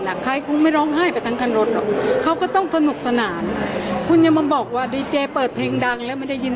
ใครคงไม่ร้องไห้ไปทั้งคันรถหรอกเขาก็ต้องสนุกสนานคุณอย่ามาบอกว่าดีเจเปิดเพลงดังแล้วไม่ได้ยิน